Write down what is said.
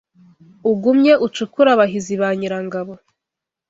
Ugumye ucukure abahizi ba Nyirangabo